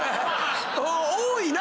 多いな！